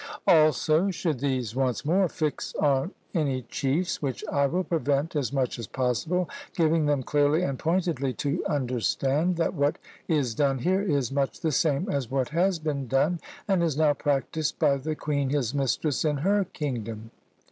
Also should these once more fix on any chiefs, which I will prevent as much as possible, giving him clearly and pointedly to understand, that what is done here is much the same as what has been done, and is now practised by the queen his mistress in her kingdom.